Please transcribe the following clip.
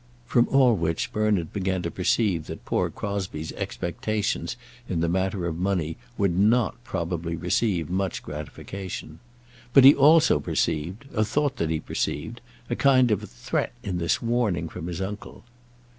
From all which Bernard began to perceive that poor Crosbie's expectations in the matter of money would not probably receive much gratification. But he also perceived or thought that he perceived a kind of threat in this warning from his uncle.